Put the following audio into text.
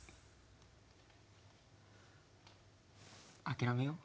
諦めよう。